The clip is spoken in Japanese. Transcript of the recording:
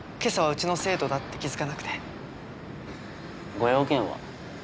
ご用件は？